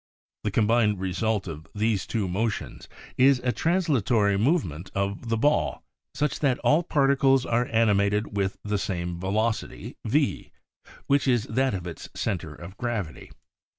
The combined result of these two motions is a translatory movement of the ball such that all particles are animated with the same velocity V, which is that of its center of gravity.